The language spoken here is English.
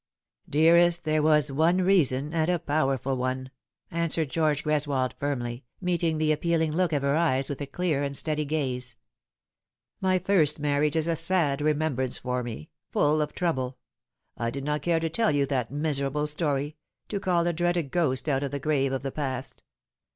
" Dearest, there was one reason, and a powerful one," answered George Greswold firmly, meeting the appealing look of her eyes with a clear and steady gaze. " My first marriage is a sad remembrance for me full of trouble. I did not care to tell you that miserable story, to call a dreaded ghost out of the grave of the past.